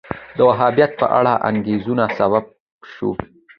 د وهابیت په اړه انګېرنه سبب شو